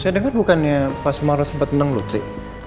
saya dengar bukannya pak semarno sempat menang lho tri